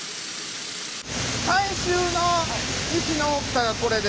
最終の石の大きさがこれです。